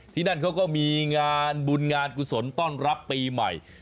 ที่นั่นเขาก็มีงานบุญงานกุศลต้อนรับปีใหม่